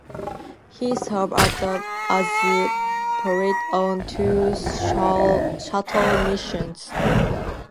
He served as pilot on two shuttle missions.